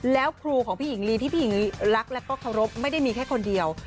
แล้วครูของพี่หญิงลีที่พี่หญิงลีรักและก็เคารพไม่ได้มีแค่คนเดียว